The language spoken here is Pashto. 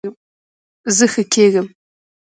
زه ښه کیږم